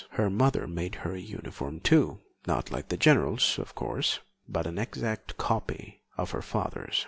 Her mother made her a uniform too, not like the general's, of course, but an exact copy of her father's.